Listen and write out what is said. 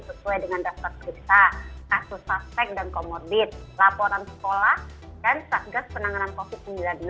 sesuai dengan dasar kripsa kasus saseng dan komorbid laporan sekolah dan satgas penanganan covid sembilan belas